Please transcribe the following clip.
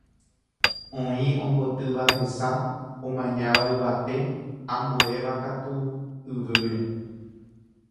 Oĩ ombotýva hesa, omañáva yvate, ambuévakatu yvýre.